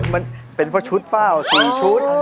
มันเป็นเพราะชุดเปล่า๔ชุด